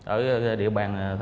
ở địa bàn